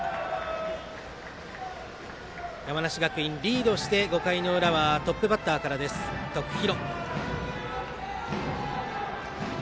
山梨学院、リードして５回の裏はトップバッターからです、徳弘。